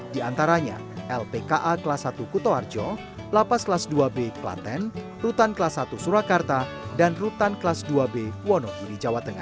di antaranya lpka kelas satu kutoarjo lapas kelas dua b klaten rutan kelas satu surakarta dan rutan kelas dua b wonogiri jawa tengah